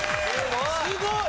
すごい！